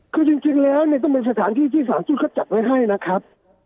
คือจริงแล้วเนี่ยต้องเป็นสถานที่ที่สารชุดเขาจัดไว้ให้นะครับ